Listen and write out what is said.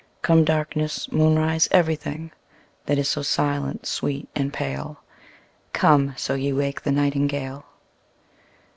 Come darkness, moonrise, every thing That is so silent, sweet, and pale: Come, so ye wake the nightingale.